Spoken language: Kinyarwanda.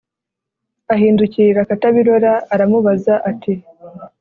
Ahindukirira Katabirora aramubaza ati